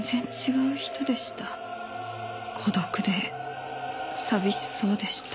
孤独で寂しそうでした。